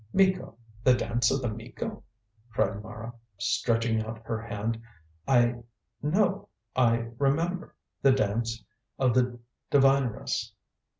"Miko! The dance of the Miko!" cried Mara, stretching out her hand; "I know, I remember. The Dance of the Divineress!